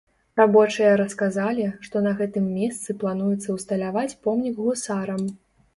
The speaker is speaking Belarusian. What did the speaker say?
Рабочыя расказалі, што на гэтым месцы плануецца ўсталяваць помнік гусарам.